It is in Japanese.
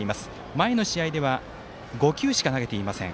前の試合では５球しか投げていません。